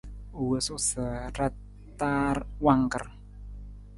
U wosu sa ra taar wangkar.